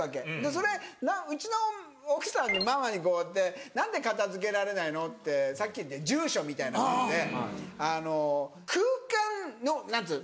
それうちの奥さんにママにこうやって「何で片付けられないの？」ってさっきの住所みたいなもんで空間の何つうの？